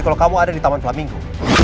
kalau kamu ada di taman pelaminku